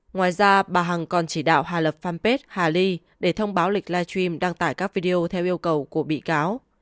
ngoài ra bà hằng còn chỉ đạo hà lập fanpage hà ly để thông báo lịch live stream đăng tải các video theo yêu cầu của bị cáo